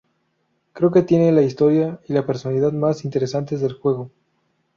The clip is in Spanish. Creo que tiene la historia y la personalidad más interesantes del juego".